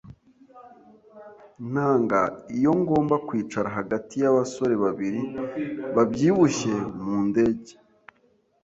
Nanga iyo ngomba kwicara hagati yabasore babiri babyibushye mu ndege.